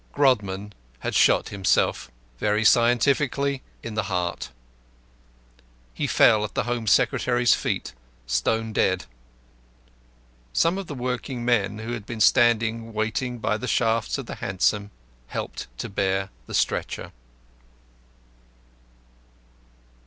Grodman had shot himself very scientifically in the heart. He fell at the Home Secretary's feet, stone dead. Some of the working men who had been standing waiting by the shafts of the hansom helped to bear the stretcher.